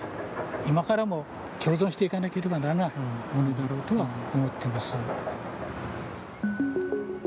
今からも共存していかなければならないものだろうとは思ってます。